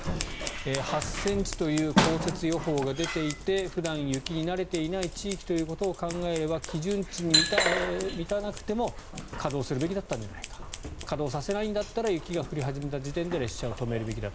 ８ｃｍという降雪予報が出ていて普段雪に慣れていない地域ということを考えれば基準値に満たなくても稼働するべきだったんじゃないか稼働させないんだったら雪が降り始めた時点で列車を止めるべきだった。